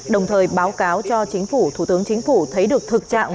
đồng thời báo cáo cho chính phủ thủ tướng chính phủ thấy được thực trạng